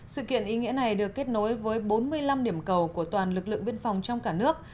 sự kiện ý nghĩa này được kết nối với bốn mươi năm điểm cầu của toàn lực lượng biên phòng trong cả nước